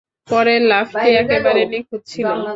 পরের লাফটি একেবারে নিখুঁত ছিলো!